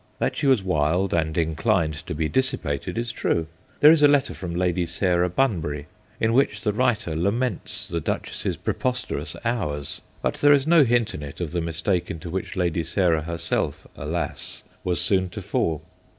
That she was wild and inclined to be dissipated is true. There is a letter from Lady Sarah Bunbury, in which the writer laments the Duchess's preposterous hours, but there is no hint in it of the mistake into which Lady Sarah herself, alas I was soon to fall.